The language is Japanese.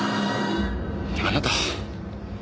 あなた。